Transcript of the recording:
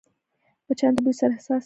مچان د بوی سره حساس دي